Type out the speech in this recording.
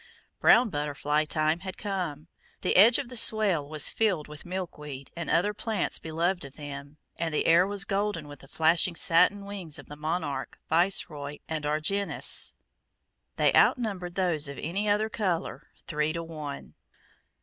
Brown butterfly time had come. The edge of the swale was filled with milkweed, and other plants beloved of them, and the air was golden with the flashing satin wings of the monarch, viceroy, and argynnis. They outnumbered those of any other color three to one.